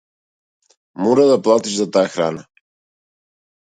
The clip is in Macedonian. Мора да платиш за таа храна.